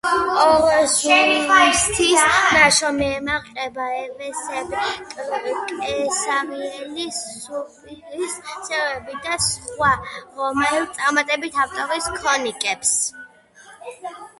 ოროზიუსის ნაშრომი ემყარება ევსები კესარიელის, სულპიციუს სევერუსის და სხვა რომაელი წარმართი ავტორების ქრონიკებს.